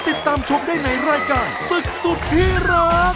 ติดตามชมได้ในรายการศึกสุดที่รัก